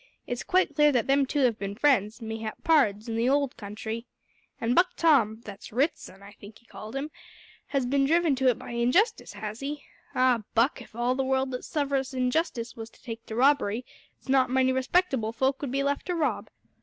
It's quite clear that them two have bin friends, mayhap pards, in the old country. An' Buck Tom (that's Ritson, I think he called him) has bin driven to it by injustice, has he? Ah! Buck, if all the world that suffers injustice was to take to robbery it's not many respectable folk would be left to rob.